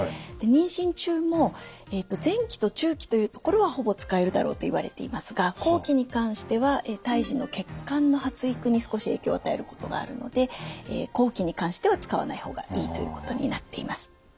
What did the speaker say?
妊娠中も前期と中期というところはほぼ使えるだろうといわれていますが後期に関しては胎児の血管の発育に少し影響を与えることがあるので後期に関しては使わないほうがいいということになっています。